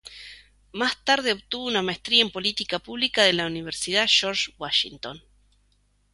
Más tarde obtuvo una maestría en política pública de la Universidad George Washington.